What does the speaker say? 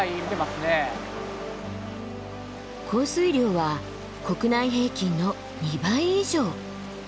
降水量は国内平均の２倍以上。